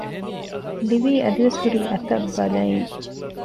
ލިވީ އަދިވެސް ހުރީ އަތަށް ބަލައިން